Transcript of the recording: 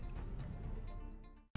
dibutuhkan perusahaan yang berkelanjutan